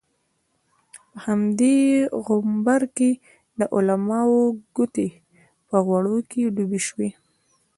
په همدې غومبر کې د علماوو ګوتې په غوړو کې ډوبې شوې.